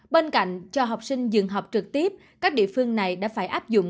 bên cạnh cho học sinh dừng học trực tiếp các địa phương này đã phải áp dụng